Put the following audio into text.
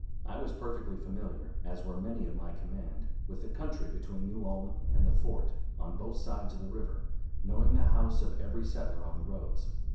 I was perfectly familiar, as were many of my command, with the country between New Ulm and the fort, on both sides of the river, knowing the house of every settler on the roads.